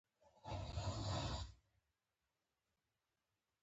د احمد ګلانو نېښ وهلی دی.